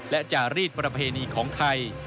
และจารีดประเพณีของไทย